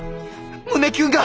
胸キュンが！